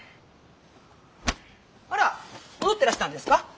あら戻ってらしたんですか？